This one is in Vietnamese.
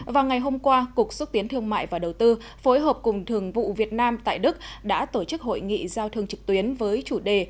vào ngày hôm qua cục xúc tiến thương mại và đầu tư phối hợp cùng thường vụ việt nam tại đức đã tổ chức hội nghị giao thương trực tuyến với chủ đề